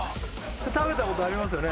食べたことありますよね？